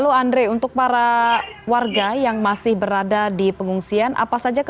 untuk para pengusaha